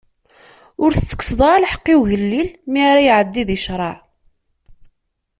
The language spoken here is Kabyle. Ur tettekkseḍ ara lḥeqq i ugellil mi ara iɛeddi di ccṛeɛ.